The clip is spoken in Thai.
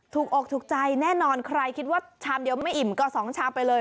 อกถูกใจแน่นอนใครคิดว่าชามเดียวไม่อิ่มก็๒ชามไปเลย